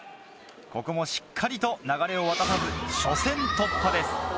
ここもしっかりと流れを渡さず初戦突破です。